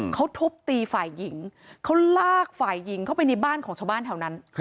เขาทุบตีฝ่ายหญิงเขาลากฝ่ายหญิงเข้าไปในบ้านของชาวบ้านแถวนั้น